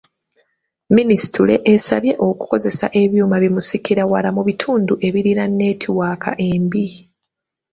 Minisitule esabye okukozesa ebyuma bimusikirawala mu bitundu ebirina neetiwaaka embi.